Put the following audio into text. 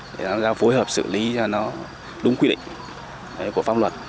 để làm ra phối hợp xử lý cho nó đúng quy định của pháp luật